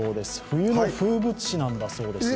冬の風物詩なんだそうです。